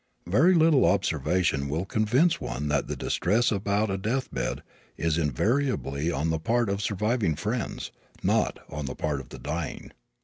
Very little observation will convince one that the distress about a death bed is invariably on the part of surviving friends, not on the part of the dying.